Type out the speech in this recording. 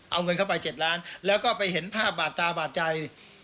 เอาเงินเข้าไป๗ล้านแล้วก็ไปเห็นภาพบาดตาบาดใจ